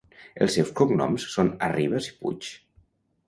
Els seus cognoms són Arribas i Puig?